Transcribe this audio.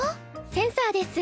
センサーです。